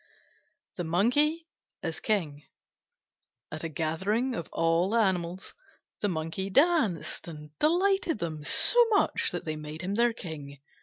THE MONKEY AS KING At a gathering of all the animals the Monkey danced and delighted them so much that they made him their King.